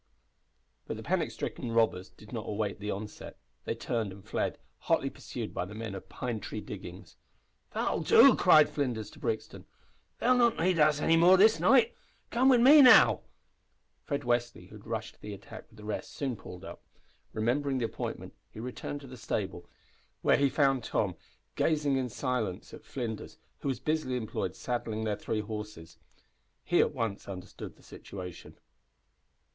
But the panic stricken robbers did not await the onset. They turned and fled, hotly pursued by the men of Pine Tree Diggings. "That'll do!" cried Flinders to Brixton; "they'll not need us any more this night. Come wid me now." Fred Westly, who had rushed to the attack with the rest, soon pulled up. Remembering the appointment, he returned to the stable, where he found Tom gazing in silence at Flinders, who was busily employed saddling their three horses. He at once understood the situation.